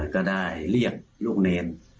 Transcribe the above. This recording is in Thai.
ก็ได้เรียกลูกเนร